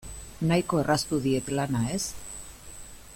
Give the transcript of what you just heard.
Nahiko erraztu diet lana, ez?